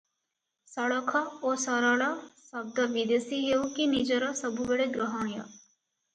ସଳଖ ଓ ସରଳ ଶବ୍ଦ ବିଦେଶୀ ହେଉ କି ନିଜର ସବୁବେଳେ ଗ୍ରହଣୀୟ ।